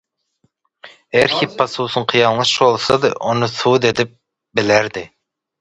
Eger Hippasusyňky ýalňyş bolsady ony subut edip bilerdi.